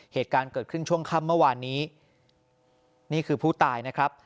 เหตุการณ์เกิดขึ้นช่วงค่ำเมื่อวานนี้นี่คือผู้ตายนะครับ